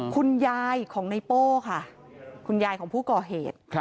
คุณยายของในโป้ค่ะคุณยายของผู้ก่อเหตุ